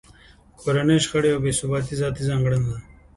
کورنۍ شخړې او بې ثباتۍ ذاتي ځانګړنه ده